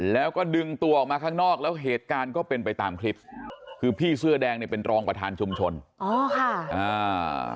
แล้วก็ดึงตัวออกมาข้างนอกแล้วเหตุการณ์ก็เป็นไปตามคลิปคือพี่เสื้อแดงเนี่ยเป็นรองประธานชุมชนอ๋อค่ะอ่า